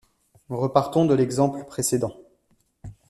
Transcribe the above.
Repartons de l'exemple précédent.